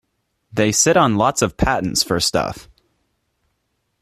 They sit on lots of patents for stuff.